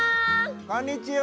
こんにちは！